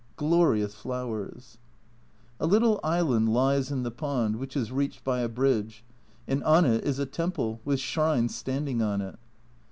Glorious flowers ! A little island lies in the pond, which is reached by a bridge, and on it is a temple, with shrines standing on it.